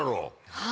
はい。